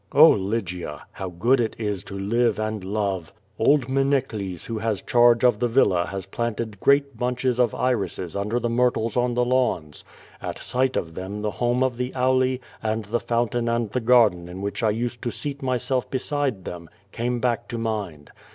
Oh, Lygia! how good it is to live and love! Old Menikles who has charge of the villa has planted great bunche.^ of irises under the myrtles cm the lawns. At sight of them the home of the Auli, and the fountain and the garden in which I usi>d to seat myself beside them, came back to mind.